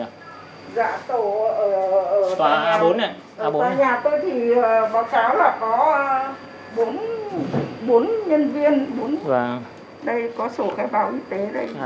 dạ tòa a bốn này